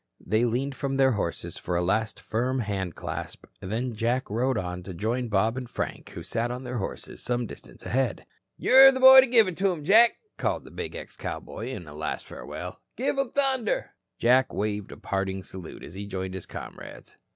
They leaned from their horses for a last firm handclasp, then Jack rode on to join Bob and Frank who sat on their horses some distance ahead. "You're the boy to give it to 'em, Jack," called the big ex cowboy in a last farewell. "Give 'em thunder." Jack waved a parting salute as he joined his comrades.